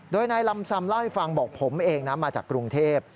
โดยนายลำซำเล่าให้ฟังบอกผมเองนะมาจากกรุงเทพ